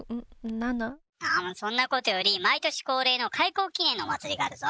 ７？そんなことより毎年恒例の開港記念のお祭りがあるぞ。